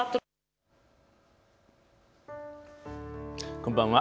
こんばんは。